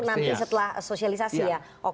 nanti setelah sosialisasi ya